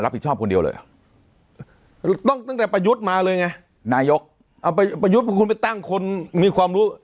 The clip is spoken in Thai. รับผิดชอบคนเดียวเลยหรอตั้งแต่ประยุทธมาเลยไงนายกเอาประยุทธคุณไปตั้งคนมีความรู้